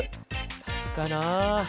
立つかな？